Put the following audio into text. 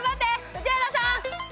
宇治原さん！